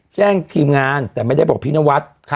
ทีมงานแต่ไม่ได้บอกพี่นวัด